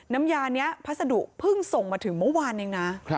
น้ำยานี้พัสดุเพิ่งส่งมาถึงเมื่อวานเองนะ